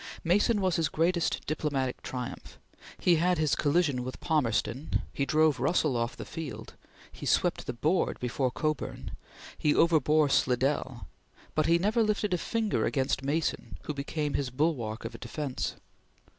Mason was his greatest diplomatic triumph. He had his collision with Palmerston; he drove Russell off the field; he swept the board before Cockburn; he overbore Slidell; but he never lifted a finger against Mason, who became his bulwark of defence.